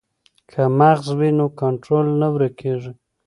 که مغز وي نو کنټرول نه ورکیږي.